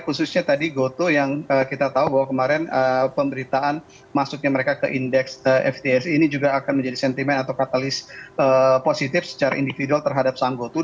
khususnya tadi gotoh yang kita tahu bahwa kemarin pemberitaan masuknya mereka ke indeks fts ini juga akan menjadi sentimen atau katalis positif secara individual terhadap sang goto